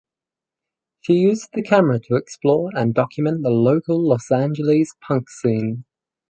She used the camera to explore and document the local Los Angeles punk scene.